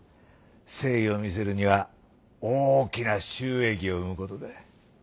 誠意を見せるには大きな収益を生むことだ。